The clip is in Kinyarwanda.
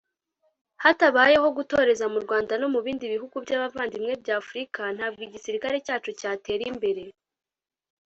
Hatabayeho gutoreza mu Rwanda no mu bindi bihugu by’abavandimwe bya Afurika ntabwo igisirikare cyacu cyatera imbere